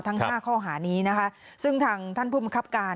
ห้าข้อหานี้นะคะซึ่งทางท่านผู้บังคับการ